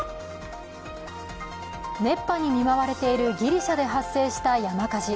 熱波に見舞われているギリシャで発生した山火事。